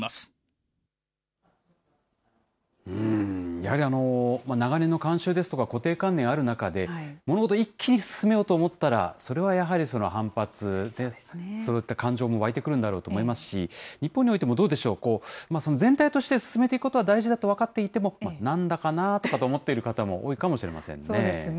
やはり、長年の慣習ですとか、固定観念ある中で、物事を一気に進めようと思ったら、それはやはり反発、そういった感情も湧いてくるんだろうと思いますし、日本においてもどうでしょう、全体として進めていくことは大事だと分かっていても、なんだかなあと思っている方も多いかもしれませんね。